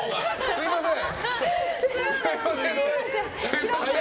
すみません。